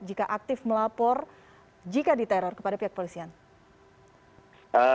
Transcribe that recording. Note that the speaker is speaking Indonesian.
jika aktif melapor jika diteror kepada pihak polisi